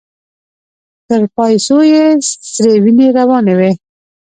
تر پايڅو يې سرې وينې روانې وې.